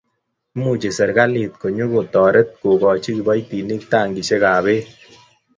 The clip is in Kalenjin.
Imuchi serkalit nyo kotoret kokoch kobotik tankisiekab Bek